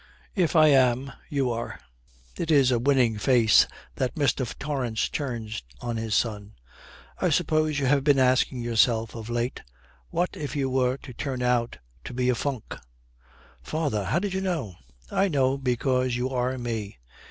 'If I am, you are.' It is a winning face that Mr. Torrance turns on his son. 'I suppose you have been asking yourself of late, what if you were to turn out to be a funk!' 'Father, how did you know?' 'I know because you are me.